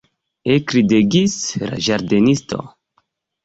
Ekridegis la ĝardenisto.